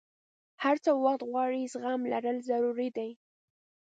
هر څه وخت غواړي، زغم لرل ضروري دي.